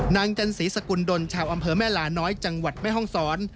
จันสีสกุลดลชาวอำเภอแม่ลาน้อยจังหวัดแม่ห้องศร